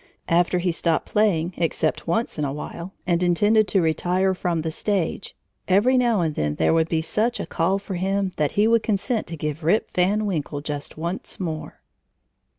After he stopped playing, except once in a while, and intended to retire from the stage, every now and then there would be such a call for him that he would consent to give "Rip Van Winkle" just once more.